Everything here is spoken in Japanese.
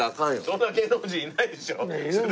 そんな芸能人いないでしょ。